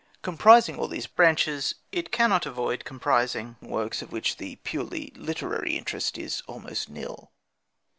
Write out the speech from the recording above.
Comprising all these branches, it cannot avoid comprising works of which the purely literary interest is almost nil.